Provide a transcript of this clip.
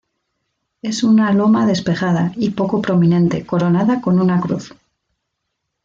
Es una loma despejada y poco prominente coronada con una cruz.